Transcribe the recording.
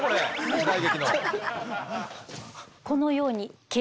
時代劇の。